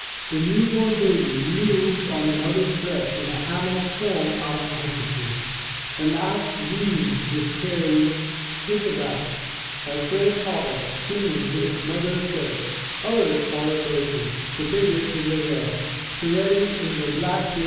The new bom babe mewls on the mother's breast in a hammock formed out of a kerchief. The last weaned is carried pick a back; a third toddles, clinging to its mother's skirts; others follow closely, the biggest in the rear, ferretting in the black *Taken from The Life of the Spider.